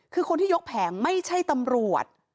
คือคนที่ยกแผงไม่ใช่ตำรวจ